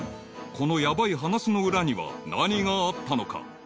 ［このヤバい話の裏には何があったのか？］